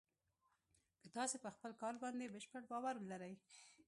که تاسې په خپل کار باندې بشپړ باور لرئ